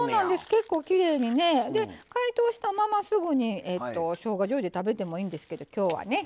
結構きれいにね。で解凍したまますぐにしょうがじょうゆで食べてもいいんですけどきょうはね